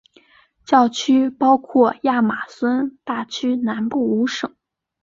教区包括亚马孙大区南部五省。